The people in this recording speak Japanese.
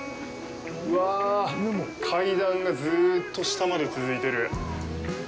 うわあ、階段がずーっと下まで続いてる。